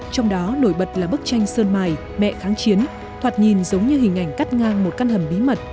trong đó nổi bật là bức tranh sơn mài mẹ kháng chiến thoạt nhìn giống như hình ảnh cắt ngang một căn hầm bí mật